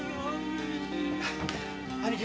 兄貴。